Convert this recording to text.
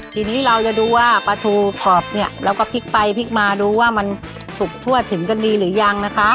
ทีนี้เราจะดูว่าปลาทูขอบเนี่ยเราก็พลิกไปพลิกมาดูว่ามันสุกทั่วถึงกันดีหรือยังนะคะ